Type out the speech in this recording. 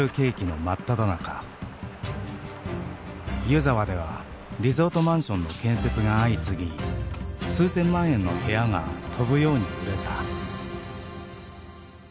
湯沢ではリゾートマンションの建設が相次ぎ数千万円の部屋が飛ぶように売れた。